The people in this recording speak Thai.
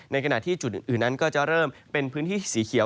ในขณะที่จุดอื่นนั้นก็จะเริ่มเป็นพื้นที่สีเขียว